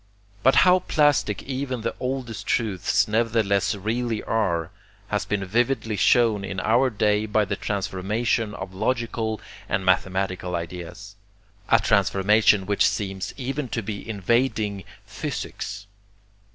But how plastic even the oldest truths nevertheless really are has been vividly shown in our day by the transformation of logical and mathematical ideas, a transformation which seems even to be invading physics.